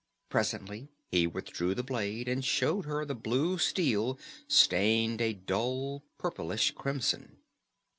Presently he withdrew the blade and showed her the blue steel stained a dull purplish crimson.